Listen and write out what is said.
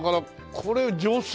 これ女性用？